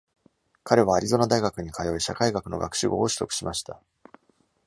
彼はアリゾナ大学に通い、社会学の学士号を取得しました。